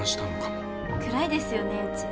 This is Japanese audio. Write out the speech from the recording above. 暗いですよねうち。